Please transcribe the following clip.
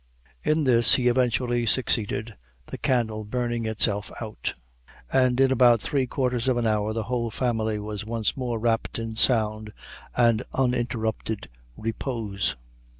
In this he eventually succeeded, the candle burning itself out; and in about three quarters of an hour the whole family were once more wrapped in sound and uninterrupted repose.